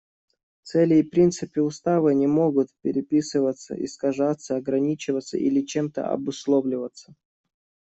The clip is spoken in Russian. Цели и принципы Устава не могут переписываться, искажаться, ограничиваться или чем-то обусловливаться.